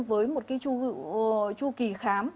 với một chu kỳ khám